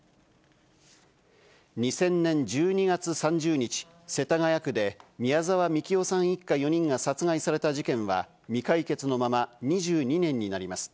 ２０００年１２月３０日、世田谷区で、宮沢みきおさん一家４人が殺害された事件は、未解決のまま、２２年になります。